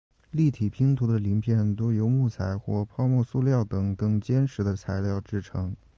立体拼图的零片多由木材或泡沫塑料等更坚实的材料制成。